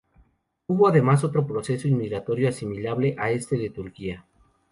Hubo además otro proceso inmigratorio asimilable a este de Turquía.